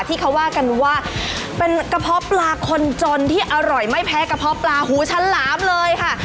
ที่เขาว่ากันว่าเป็นกระเพาะปลาคนจนที่อร่อยไม่แพ้กระเพาะปลาหูฉลามเลยค่ะ